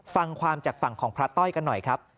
ฟังความจากฝั่งของพระต้อยกันหน่อยครับ